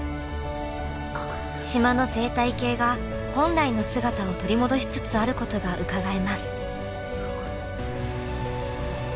島の生態系が本来の姿を取り戻しつつあることがうかがえます。